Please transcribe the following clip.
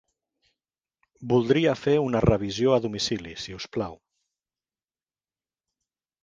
Voldria fer una revisió a domicili, si us plau.